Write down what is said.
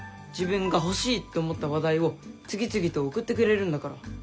自分が欲しいと思った話題を次々と送ってくれるんだから。